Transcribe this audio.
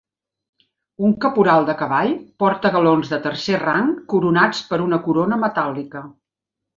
Un caporal de cavall porta galons de tercer rang coronats per una corona metàl·lica.